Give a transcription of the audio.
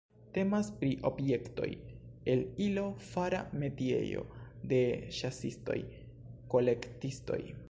Temas pri objektoj el ilo-fara metiejo de ĉasistoj-kolektistoj.